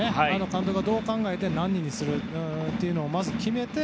監督がどう考えて何人にするというのをまずは決めて。